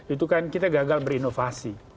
itu kan kita gagal berinovasi